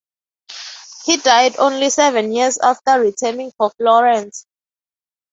He died only seven years after returning for Florence.